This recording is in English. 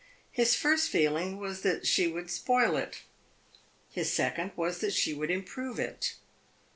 His first feeling was that she would spoil it; his second was that she would improve it.